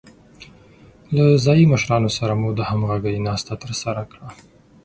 له ځايي مشرانو سره مو د همغږۍ ناسته ترسره کړه.